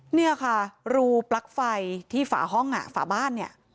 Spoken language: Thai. เนี่ยค่ะรูปลั๊กไฟที่ฝาห้องอ่ะฝาบ้านเนี่ย